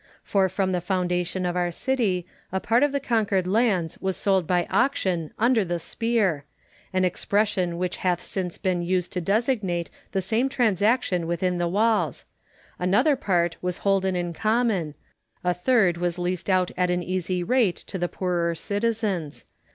For from the foundation of our city, a part of the conquered lands was sold by auction under the spear — an expression which hath since been used to designate the same transaction within the walls; another part was holden in common ; a third was leased out at an easy rate to the poorer citizens.